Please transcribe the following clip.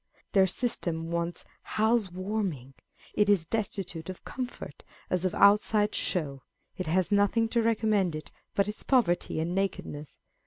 Their system wants house warming ; it is destitute of comfort as of outside show ; it has nothing to recommend it but its poverty and naked ness.